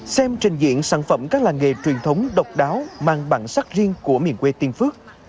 xem trình diện sản phẩm các làng nghề truyền thống độc đáo mang bản sắc riêng của miền quê tiên phước